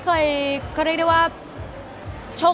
คือบอกเลยว่าเป็นครั้งแรกในชีวิตจิ๊บนะ